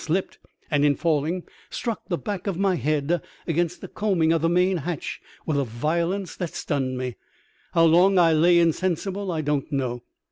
m slipped, and in falling struck the back of my head against the coaming of the main hatch with a violence that stunned me. How long I lay insensible I don't know.